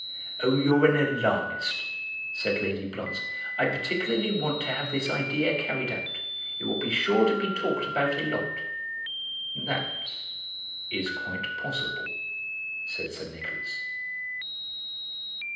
'" "Oh, you're an alarmist," said Lady Blonze; "I particularly want to have this idea carried out. It will be sure to be talked about a lot." "That is quite possible," said Sir Nicholas.